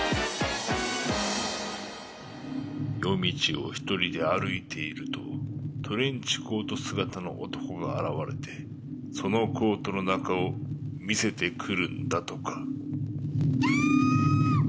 ［夜道を１人で歩いているとトレンチコート姿の男が現れてそのコートの中を見せてくるんだとか］・キャー！！